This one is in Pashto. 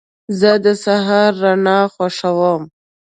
زه د سهار رڼا خوښوم.